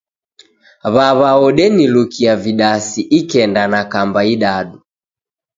W'aw'a udenilukia vidasi ikenda na kamba idadu.